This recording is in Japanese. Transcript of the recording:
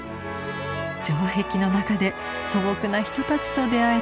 城壁の中で素朴な人たちと出会えたわ。